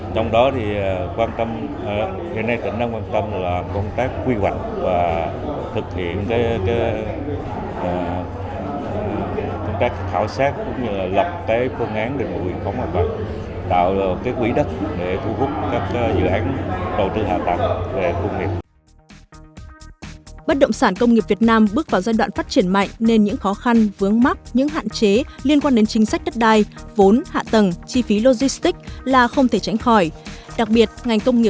trong đó thì quan tâm hiện nay tỉnh đang quan tâm là công tác quy hoạch và thực hiện công tác thảo sát cũng như là lập cái phương án để nguồn khóng hoạt động